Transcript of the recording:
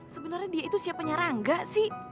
sebenarnya dia itu siapa rangga sih